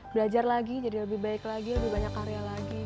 belajar lagi jadi lebih baik lagi lebih banyak karya lagi